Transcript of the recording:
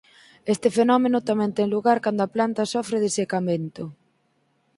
Este fenómeno tamén ten lugar cando a planta sofre desecamento.